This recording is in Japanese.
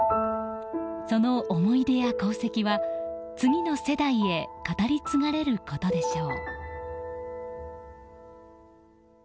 その思い出や功績は次の世代へ語りがれることでしょう。